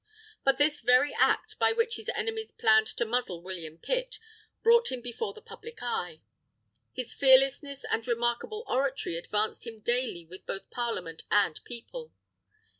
But this very act, by which his enemies planned to muzzle William Pitt, brought him before the public eye. His fearlessness and remarkable oratory advanced him daily with both Parliament and People.